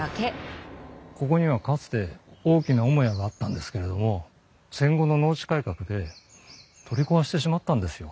ここにはかつて大きな主屋があったんですけれども戦後の農地改革で取り壊してしまったんですよ。